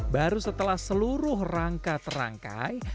baru setelah seluruh rangka terangkai